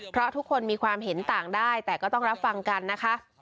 เพราะทุกคนมีความเห็นต่างได้แต่ก็ต้องรับฟังกันนะคะ